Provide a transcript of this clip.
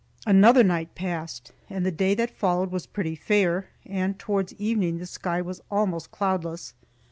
Another night passed, and the day that followed was pretty fair, and towards evening the sky was almost cloudless.